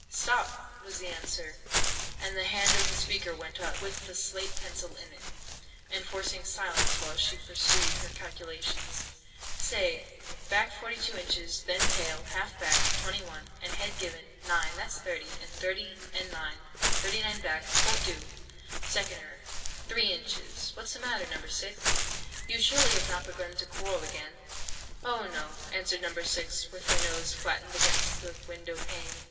"Stop!" was the answer; and the hand of the speaker went up, with the slate pencil in it, enforcing silence while she pursued her calculations. "Say, back 42 inches; then tail (half back) 21, and head given, 9, that's 30, and 30 and 9, 39 back.—Won't do! Second error: three inches—What's the matter, No. 6? You surely have not begun to quarrel already?" "Oh, no," answered No. 6, with her nose flattened against the window pane.